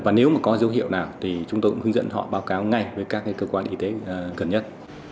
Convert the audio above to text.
và nếu mà có dấu hiệu nào thì chúng tôi cũng hướng dẫn họ báo cáo ngay với các cơ quan y tế gần nhất